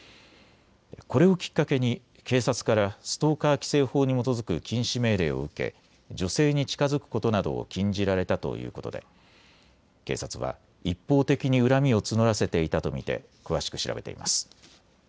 これをきっかけに警察からストーカー規制法に基づく禁止命令を受け女性に近づくことなどを禁じられたということで警察は一方的に恨みを募らせていたと見て詳しく調べています。